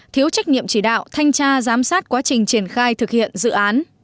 thiếu trách nhiệm chỉ đạo thanh tra giám sát quá trình triển khai thực hiện dự án